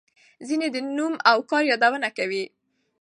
ځینې د نوم او کار یادونه کوي.